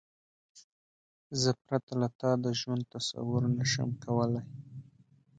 زه پرته له تا د ژوند تصور نشم کولای.